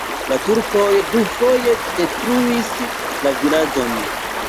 La turkoj dufoje detruis la vilaĝon.